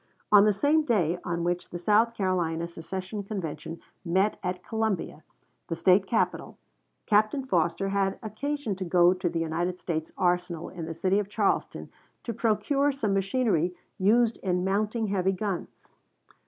On the same day on which, the South Carolina secession convention met at Columbia, the State capital, Captain Foster had occasion to go to the United States arsenal in the city of Charleston to procure some machinery used in mounting heavy guns.